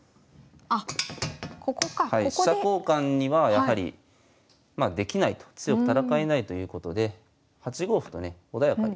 はい飛車交換にはやはりまあできないと強く戦えないということで８五歩とね穏やかに受けておきます。